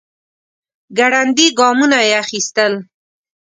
ګړندي ګامونه يې اخيستل.